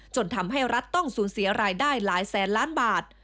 จนทำให้รัฐต้องสูญเสียรายได้หลายแสนล้านบาท